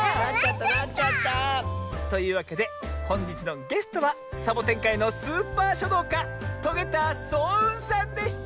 なっちゃった！というわけでほんじつのゲストはサボテンかいのスーパーしょどうかトゲたそううんさんでした！